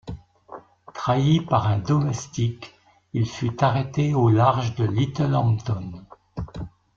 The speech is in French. Trahi par un domestique, il fut arrêté au large de Littlehampton.